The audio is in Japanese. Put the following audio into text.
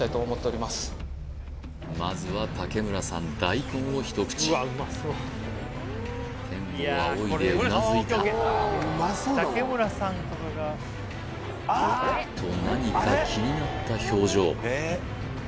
まずは竹村さん大根を一口天を仰いでうなずいたおっと何か気になった表情